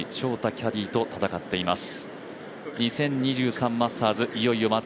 キャディーと戦っています。